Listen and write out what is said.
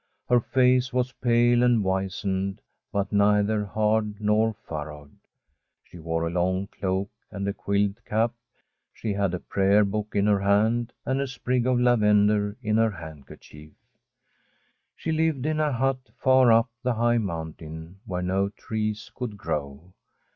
Her face was pale and wizened, but neither hard nor furrowed. She wore a long cloak and a quilled cap. She had a Prayer Book in her hand and a sprig of lavender in her hand kerchief. She lived in a hut far up the high mountain where no trees could grow.